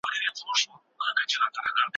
مرګ د زړو دی غم د ځوانانو